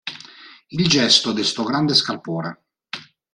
Il gesto destò grande scalpore.